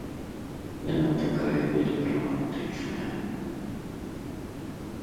Яна такая вельмі рамантычная.